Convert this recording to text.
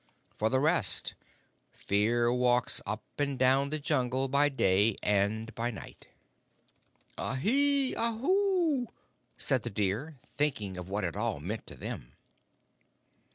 For the rest, Fear walks up and down the Jungle by day and by night." "Ahi! Aoo!" said the deer, thinking of what it all meant to them.